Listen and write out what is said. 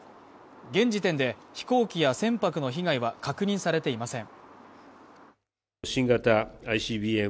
現時点で、飛行機や船舶の被害は確認されていません。